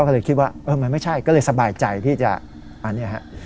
ก็เลยคิดว่าเออมันไม่ใช่ก็เลยสบายใจที่จะอันนี้ฮะ